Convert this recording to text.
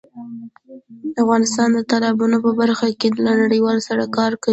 افغانستان د تالابونو په برخه کې له نړیوالو سره کار کوي.